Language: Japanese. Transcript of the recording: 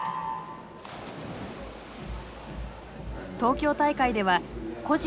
東京大会では個人